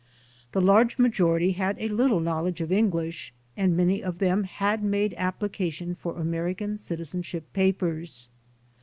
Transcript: The large majority had a little knowledge of English, and many of them had made application for American citizenship papers.